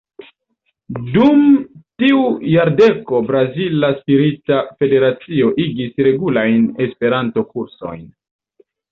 Dum tiu jardeko Brazila Spirita Federacio igis regulajn Esperanto-kursojn.